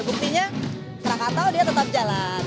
buktinya krakatau dia tetap jalan